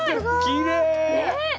きれい！ね。